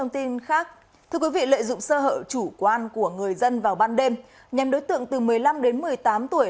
thưa quý vị lợi dụng sơ hợp chủ quan của người dân vào ban đêm nhằm đối tượng từ một mươi năm đến một mươi tám tuổi